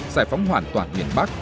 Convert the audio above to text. giải phóng hoàn toàn miền bắc